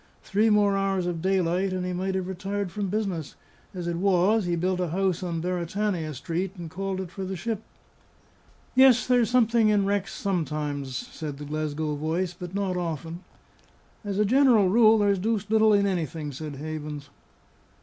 Three more hours of daylight, and he might have retired from business. As it was, he built a house on Beretania Street, and called it for the ship." "Yes, there's something in wrecks sometimes," said the Glasgow voice; "but not often." "As a general rule, there's deuced little in anything," said Havens.